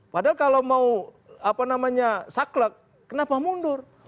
padahal kalau mau saklek kenapa mundur